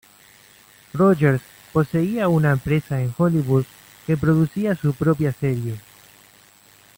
Rogers poseía una empresa en Hollywood que producía su propia serie.